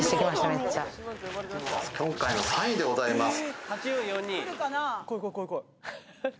今回の３位でございます